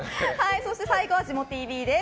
そして、最後はジモＴＶです。